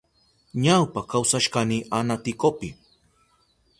Ñawpa kawsashkani Anaticopi.